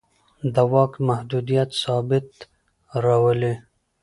د واک محدودیت ثبات راولي